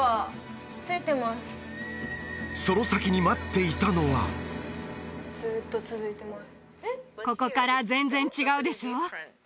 その先に待っていたのはずっと続いてます